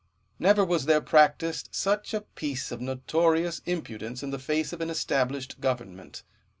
Never was there practised such a piece of notorious impudence in the face of an established government.